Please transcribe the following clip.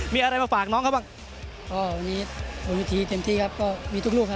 มีอะไรมาฝากน้องเขาบ้าง